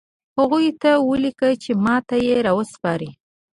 هغوی ته ولیکه چې ماته یې راوسپاري